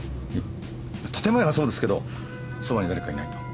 建前はそうですけどそばにだれかいないと。